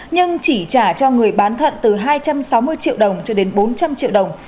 nhưng chỉ trả cho người bán thận từ hai trăm sáu mươi triệu đồng cho đến bốn trăm linh triệu đồng